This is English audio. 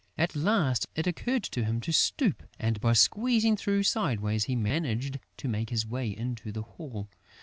At last, it occurred to him to stoop; and, by squeezing through sideways, he managed to make his way into the hall.